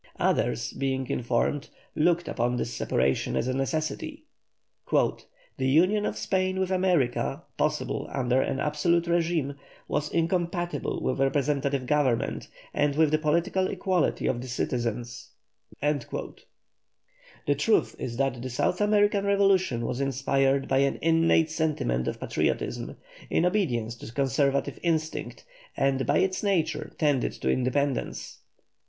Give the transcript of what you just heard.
Others, better informed, look upon this separation as a necessity: "The union of Spain with America, possible under an absolute régime, was incompatible with representative government and with the political equality of the citizens." The truth is that the South American revolution was inspired by an innate sentiment of patriotism, in obedience to conservative instinct, and by its nature tended to independence.